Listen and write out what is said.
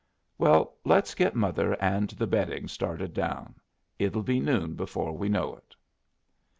"Well, let's get mother and the bedding started down. It'll be noon before we know it."